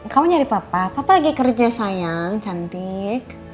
kamu nyari papa lagi kerja sayang cantik